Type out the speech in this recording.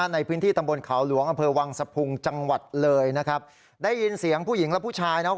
ในพื้นที่ตำบลเขาหลวงอำเภอวังสะพุงจังหวัดเลยนะครับได้ยินเสียงผู้หญิงและผู้ชายนะครับ